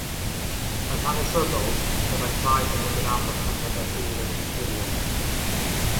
Yn hanesyddol, byddai traeth yn dod i'r amlwg pa fyddai'r dŵr yn encilio,